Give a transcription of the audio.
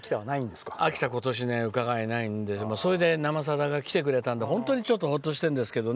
秋田、今年伺えないんでそれで、「生さだ」がきてくれたんでほっとしてるんですけどね。